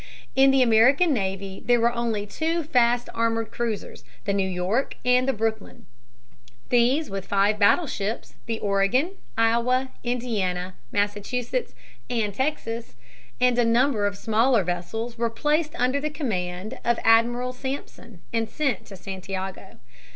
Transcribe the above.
In the American navy there were only two fast armored cruisers, the _New York _and the Brooklyn. These with five battleships the Oregon, Iowa, Indiana, Massachusetts, and Texas and a number of smaller vessels were placed under the command of Admiral Sampson and sent to Santiago.